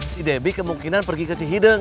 si debbie kemungkinan pergi ke cih hideng